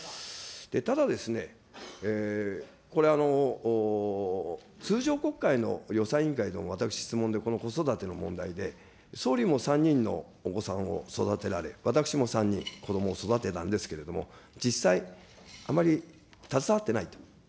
ただですね、これ、通常国会の予算委員会でも私、質問で、この子育ての問題で、総理も３人のお子さんを育てられ、私も３人、子どもを育てたんですけれども、実際、あまり携わってないと。